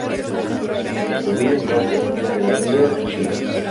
Se distribuyen en Asia, desde la India a China.